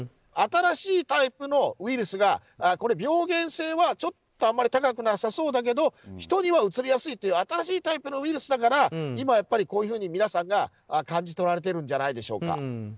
新しいタイプのウイルスが病原性はあまり高くなさそうだけど人にはうつりやすいという新しいタイプのウイルスだから今は皆さんが感じ取られてるんじゃないでしょうか。